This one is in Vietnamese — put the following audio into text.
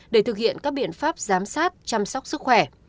để thực hiện các biện pháp giám sát chăm sóc sức khỏe